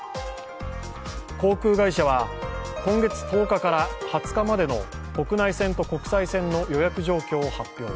航空会社は今月１０日から２０日までの国内線と国際線の予約状況を発表。